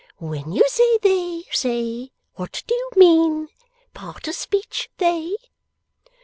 When you say THEY say, what do you mean? Part of speech They?